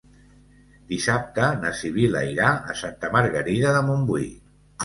Dissabte na Sibil·la irà a Santa Margarida de Montbui.